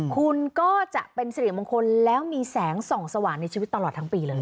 คุณก็จะเป็นสิริมงคลแล้วมีแสงส่องสว่างในชีวิตตลอดทั้งปีเลย